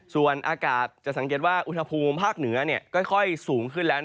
ส่วนอากาศจะสังเกตว่าอุณหภูมิภาคเหนือค่อยสูงขึ้นแล้ว